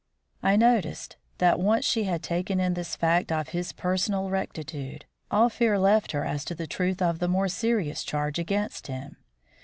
I noticed that, once she had taken in this fact of his personal rectitude, all fear left her as to the truth of the more serious charge against him.